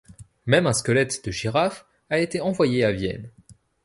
Même un squelette de girafe a été envoyé à Vienne.